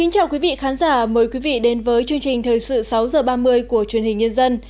chào mừng quý vị đến với bộ phim thời sự sáu h ba mươi của truyền hình nhân dân